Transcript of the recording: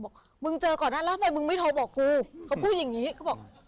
บอกมึงเจอก่อนนั้นแล้วทำไมมึงไม่โทรบอกกูเขาพูดอย่างนี้เขาบอก